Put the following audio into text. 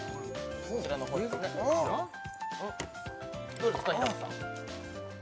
どうですか平子さん